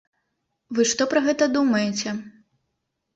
Вы што пра гэта думаеце?